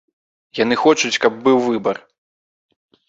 Яны хочуць, каб быў выбар.